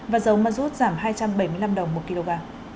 và dầu ma rút giảm hai trăm bảy mươi năm đồng một kg